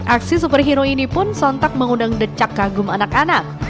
aksi superhero ini pun sontak mengundang decak kagum anak anak